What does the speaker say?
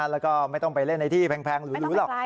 และไม่ต้องไปเล่นในที่แพงหรือหรือหรอก